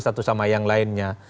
satu sama yang lainnya